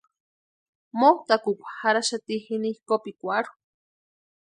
Motʼakukwa jarhaxati jini kopikwarhu.